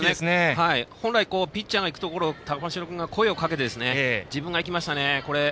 本来、ピッチャーがいくところを玉城君が声をかけて自分がいきましたね。